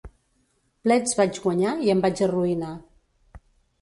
Plets vaig guanyar i em vaig arruïnar.